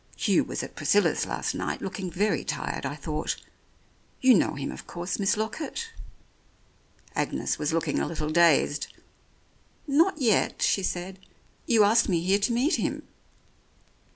Hugh was at Priscilla's last night, looking very tired, I thought. You know him, of course, Miss Lockett?" Agnes was looking a little dazed. "Not yet," she said. "You asked me here to meet him."